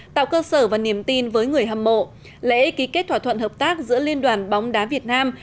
tạo cơ sở và niềm tin với người hâm mộ lễ ký kết thỏa thuận hợp tác giữa liên đoàn bóng đá việt nam